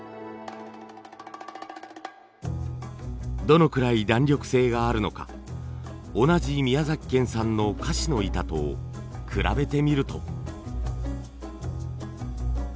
どのくらい弾力性があるのか同じ宮崎県産のカシの板と比べてみると。